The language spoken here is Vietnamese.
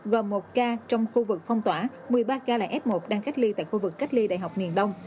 và một ca trong khu vực phong tỏa một mươi ba ca là f một đang cách ly tại khu vực cách ly đại học miền đông